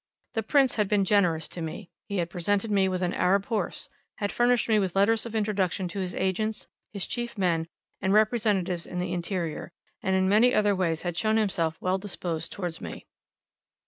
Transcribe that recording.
The prince had been generous to me; he had presented me with an Arab horse, had furnished me with letters of introduction to his agents, his chief men, and representatives in the interior, and in many other ways had shown himself well disposed towards me.